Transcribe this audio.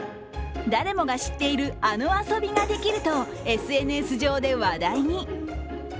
誰もが知っているあの遊びができるとＳＮＳ上で話題に。